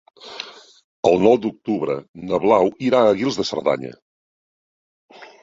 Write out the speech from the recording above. El nou d'octubre na Blau irà a Guils de Cerdanya.